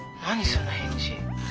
その返事。